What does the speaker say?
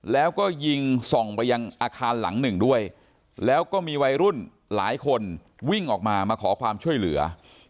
แล้วก็ยิงส่องไปยังอาคารหลังหนึ่งด้วยแล้วก็มีวัยรุ่นหลายคนวิ่งออกมามาขอความช่วยเหลือ